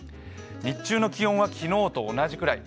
日中の気温は昨日と同じぐらい。